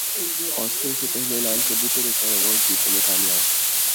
Oscar سے پہلے لال کبوتر ایک اور ایوارڈ جیتنے میں کامیاب